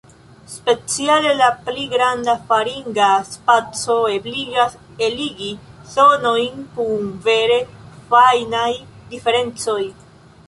Speciale la pli granda faringa spaco ebligas eligi sonojn kun vere fajnaj diferencoj.